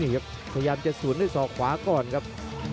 พยายามจะสวนด้วยศอกขวาก่อนครับ